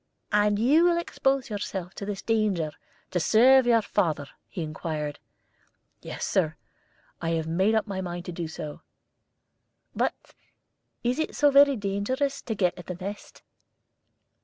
"And you will expose yourself to this danger to serve your father?" he inquired. "Yes, Sir; I have made up my mind to do so." "But is it so very dangerous to get at the nest?"